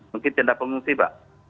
mungkin tindak pengungsi pak